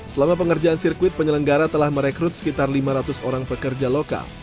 selama pengerjaan sirkuit penyelenggara telah merekrut sekitar lima ratus orang pekerja lokal